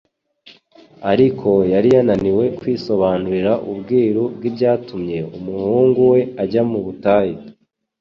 Ariko yari yananiwe kwisobanurira ubwiru bw'ibyatumye umuhungu we ajya mu butayu.